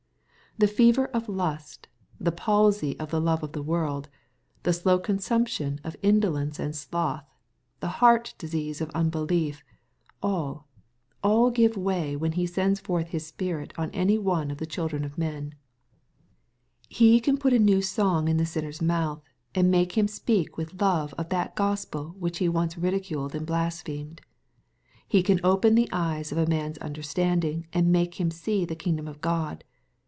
The fever of lust, the palsy of the love of the world, the slow consumption of indolence and sloth, the heart disease of unbelief, all, aU give way when he sends forth His Spirit on any one of the children of men. He can put a new songio a sinner's mouth, and make him speak with love of that Gospel which he once ridiculed and blasphemed. He can open the eyes of a man's under standing and make him see the kingdom of God.